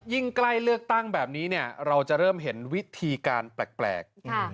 ใกล้เลือกตั้งแบบนี้เนี่ยเราจะเริ่มเห็นวิธีการแปลก